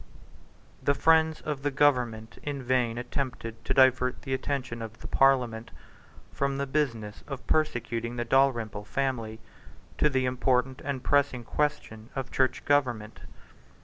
The friends of the government in vain attempted to divert the attention of the Parliament from the business of persecuting the Dalrymple family to the important and pressing question of Church Government.